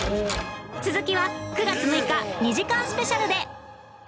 続きは９月６日２時間スペシャルで